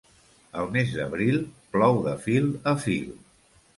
Al mes d'abril, plou de fil a fil.